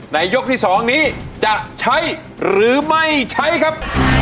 ยกที่๒นี้จะใช้หรือไม่ใช้ครับ